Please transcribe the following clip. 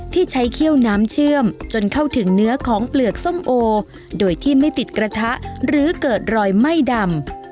ที่ใช้เขี้ยวน้ำเชื่อมจนเข้าถึงเนื้อของเปลือกส้มโอโดยที่ไม่ติดกระทะหรือเกิดรอยไหม้ดำ